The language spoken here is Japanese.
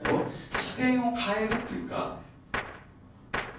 視点を変えるっていうか。